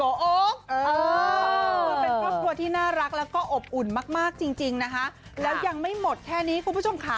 คือเป็นครอบครัวที่น่ารักแล้วก็อบอุ่นมากจริงนะคะแล้วยังไม่หมดแค่นี้คุณผู้ชมค่ะ